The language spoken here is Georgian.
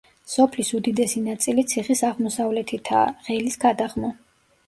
სოფლის უდიდესი ნაწილი ციხის აღმოსავლეთითაა, ღელის გადაღმა.